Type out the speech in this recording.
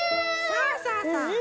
そうそうそう。